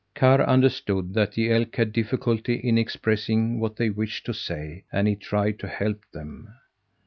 Karr understood that the elk had difficulty in expressing what they wished to say, and he tried to help them.